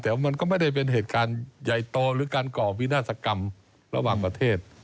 แต่มันก็ไม่ได้เป็นเหตุการณ์ใหญ่โตหรือการก่อวินาศกรรมระหว่างประเทศ